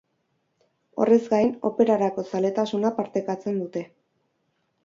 Horrez gain, operarako zaletasuna partekatzen dute.